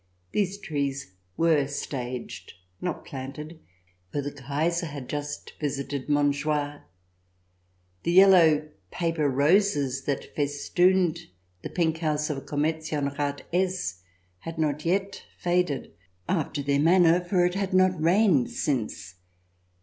These trees were staged, not planted, for the Kaiser had just visited Montjoie. The yellow paper roses that festooned the pink house of Commercienrath S had not yet faded after their manner, for it had not rained since.